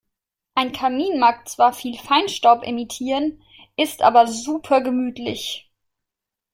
Ein Kamin mag zwar viel Feinstaub emittieren, ist aber super gemütlich.